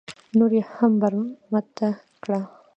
نور یې هم برمته کړه.